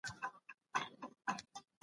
باطل تل د حق لاره تېروي.